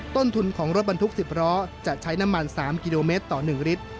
ต้นทุนของรถบรรทุก๑๐ล้อจะใช้น้ำมัน๓กิโลเมตรต่อ๑ลิตร